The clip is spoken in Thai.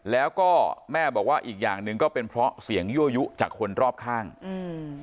แล้วก็แม่บอกว่าอีกอย่างหนึ่งก็เป็นเพราะเสียงยั่วยุจากคนรอบข้างอืม